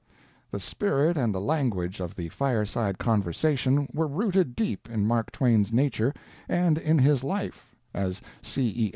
The spirit and the language of the Fireside Conversation were rooted deep in Mark Twain's nature and in his life, as C. E.